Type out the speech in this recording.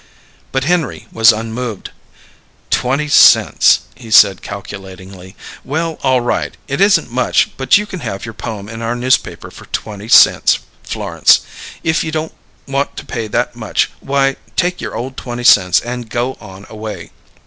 But Henry was unmoved. "Twenty cents," he said calculatingly. "Well, all right; it isn't much, but you can have your poem in our newspaper for twenty cents, Florence. If you don't want to pay that much, why, take your ole twenty cents and go on away."